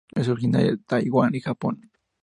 Es originaria de Taiwan y Japón.